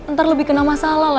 ntar lebih kena masalah